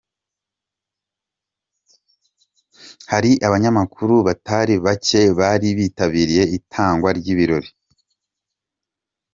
Hari abanyamakuru batari bake bari bitabiriye itangwa ry'ibi birori.